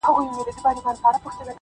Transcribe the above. o خیر لږ دي وي حلال دي وي پلارجانه,